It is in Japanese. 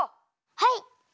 はい！